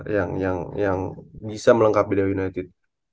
yang yang yang bisa melengkapi dewa united